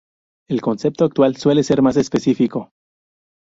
El concepto actual suele ser más específico.